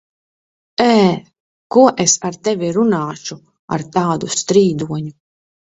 Ē! Ko es ar tevi runāšu, ar tādu strīdoņu?